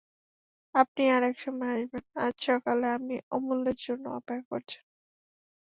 আপনি আর-এক সময় আসবেন, আজ সকালে আমি– অমূল্যের জন্যে অপেক্ষা করছেন?